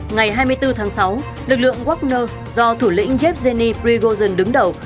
ngày hai mươi bốn tháng sáu lực lượng wagner do thủ lĩnh yevgeny prigozhin đứng đầu